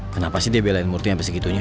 kenapa sih dia belain murti sampai segitunya